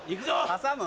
挟む？